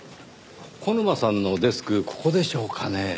小沼さんのデスクここでしょうかねぇ？